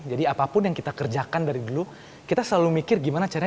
jadi apapun yang kita kerjakan dari dulu kita selalu mikir gimana caranya